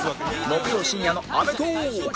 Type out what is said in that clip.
木曜深夜の『アメトーーク』